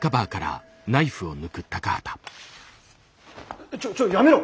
えっちょっちょっやめろ！